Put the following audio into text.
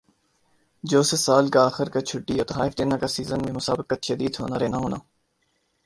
جو سے سال کا آخر کا چھٹی اور تحائف دینا کا سیزن میں مسابقت شدید ہونا رہنا ہونا